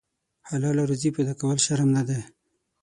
حلاله روزي پیدا کول شرم نه دی.